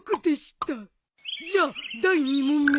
じゃあ第２問目。